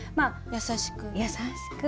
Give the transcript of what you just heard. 優しく。